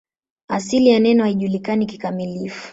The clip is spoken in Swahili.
Asili ya neno haijulikani kikamilifu.